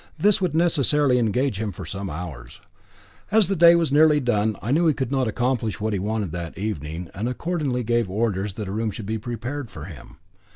This would necessarily engage him for some hours. As the day was nearly done, I knew he could not accomplish what he wanted that evening, and accordingly gave orders that a room should be prepared for him.